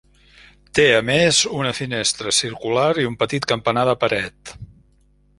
Té, a més, una finestra circular i un petit campanar de paret.